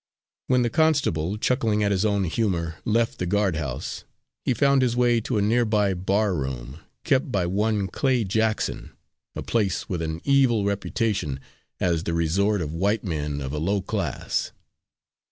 When the constable, chuckling at his own humour, left the guardhouse, he found his way to a nearby barroom, kept by one Clay Jackson, a place with an evil reputation as the resort of white men of a low class.